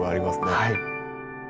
はい。